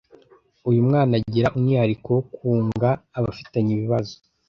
uyu mwana agira umwihariko wo kunga abafitanye ibibazo